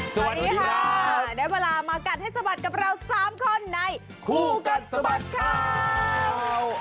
สวัสดีค่ะได้เวลามากัดให้สะบัดกับเรา๓คนในคู่กัดสะบัดข่าว